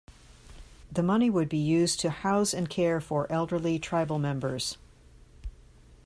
The money would be used to house and care for elderly tribal members.